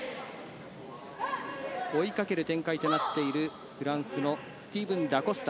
追いかける展開となっているフランスのスティーブン・ダ・コスタ。